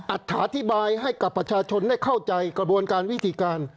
อัฐาธิบายให้กับประชาชนได้เข้าใจกระบวนการวิธีการ